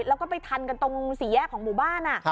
แล้วก็ไปทันกันตรงสี่แยกของหมู่บ้าน